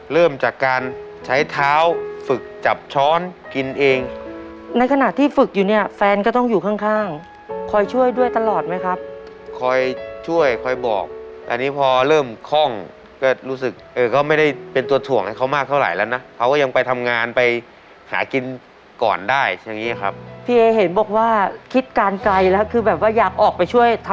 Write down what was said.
เริ่มจากการใช้เท้าฝึกจับช้อนกินเองในขณะที่ฝึกอยู่เนี่ยแฟนก็ต้องอยู่ข้างข้างคอยช่วยด้วยตลอดไหมครับคอยช่วยคอยบอกอันนี้พอเริ่มคล่องก็รู้สึกเออก็ไม่ได้เป็นตัวถ่วงให้เขามากเท่าไหร่แล้วนะเขาก็ยังไปทำงานไปหากินก่อนได้อย่างงี้ครับพี่เอเห็นบอกว่าคิดการไกลแล้วคือแบบว่าอยากออกไปช่วยท